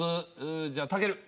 じゃあたける。